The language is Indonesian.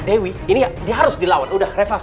dewi ini dia harus dilawan udah reva